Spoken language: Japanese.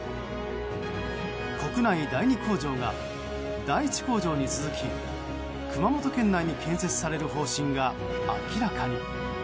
国内第２工場が第１工場に続き熊本県内に建設される方針が明らかに。